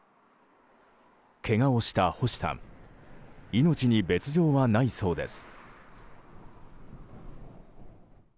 けがをした星さん命に別状はないそうです。